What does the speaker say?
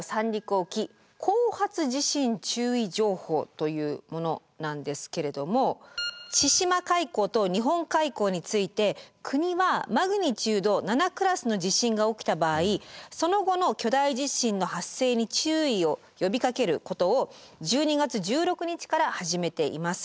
というものなんですけれども千島海溝と日本海溝について国はＭ７．０クラスの地震が起きた場合その後の巨大地震の発生に注意を呼びかけることを１２月１６日から始めています。